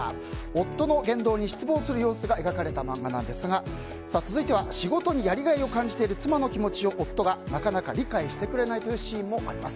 夫の言動に失望する様子が描かれた漫画なんですが続いては仕事にやりがいを感じている妻の気持ちを夫がなかなか理解してくれないシーンもあります。